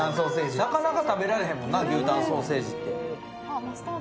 なかなか食べられへんもんな牛タンソーセージって。